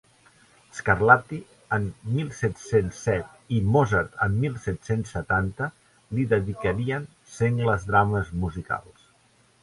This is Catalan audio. Scarlatti en mil set-cents set i Mozart en mil set-cents setanta li dedicarien sengles drames musicals.